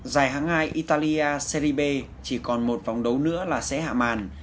giải hãng hai italia serie b chỉ còn một vòng đấu nữa là sẽ hạ màn